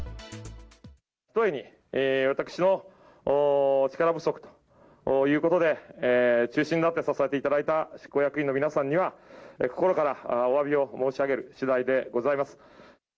ひとえに私の力不足ということで、中心になって支えていただいた執行役員の皆さんには、心からおわびを申し上げるしだいでございます。